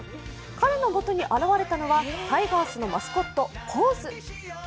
彼の元に現れたのはタイガースのマスコット、ポーズ。